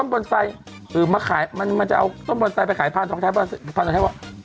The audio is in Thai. คือมาขายมันจะเอาต้นบ่อนไซค์ไปขายพรรณท้องใช้ว่า